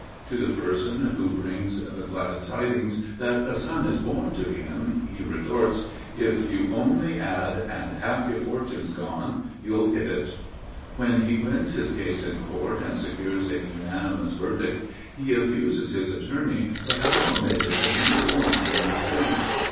To the person who brings the glad tidings that a son is born to him, he retorts, "If you only add, 'And half your fortune's gone,' you'll hit it." When he wins his case in court and secures a unanimous verdict, he abuses his attorney for having omitted many points in his brief.